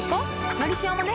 「のりしお」もね